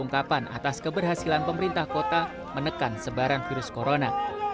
keberhasilan pemerintah kota menekan sebaran virus corona